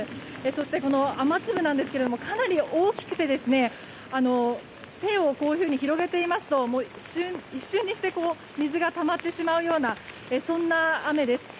そして、雨粒ですがかなり大きくて手を広げていますと一瞬にして水がたまってしまうようなそんな雨です。